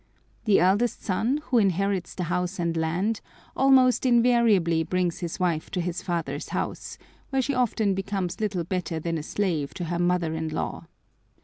The eldest son, who inherits the house and land, almost invariably brings his wife to his father's house, where she often becomes little better than a slave to her mother in law.